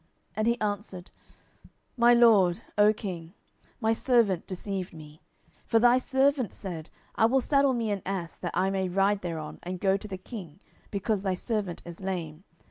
10:019:026 And he answered, My lord, O king, my servant deceived me: for thy servant said, I will saddle me an ass, that I may ride thereon, and go to the king; because thy servant is lame.